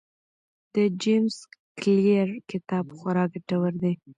د جیمز کلیر کتاب خورا ګټور دی.